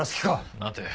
待て。